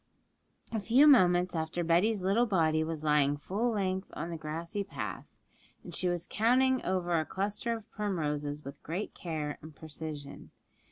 A few moments after Betty's little body was lying full length on the grassy path, and she was counting over a cluster of primroses with great care and precision.